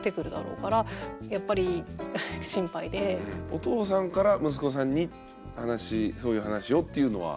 お父さんから息子さんに話そういう話をっていうのは？